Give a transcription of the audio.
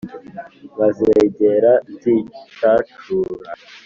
nkazegera nzicacura